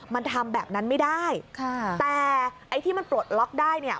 มันทำแบบนั้นไม่ได้ค่ะแต่ไอ้ที่มันปลดล็อกได้เนี่ย